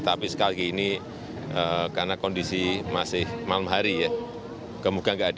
tapi sekali ini karena kondisi masih malam hari ya kemungkinan tidak ada